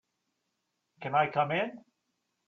Can I come in?